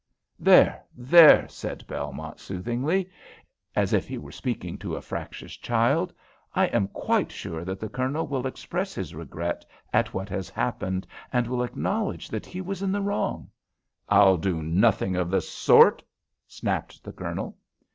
"There! there!" said Belmont, soothingly, as if he were speaking to a fractious child. "I am quite sure that the Colonel will express his regret at what has happened, and will acknowledge that he was in the wrong " "I'll do nothing of the sort," snapped the Colonel.